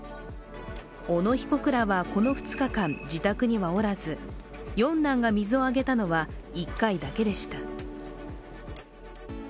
小野被告らはこの２日間自宅にはおらず四男が水をあげたのは１回だけでした。